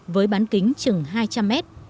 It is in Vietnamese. với bán kính chừng hai m hai